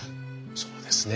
そうですね。